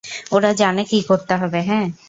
ওরা জানে কি করতে হবে, হ্যাঁ?